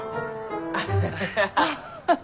アハハハ。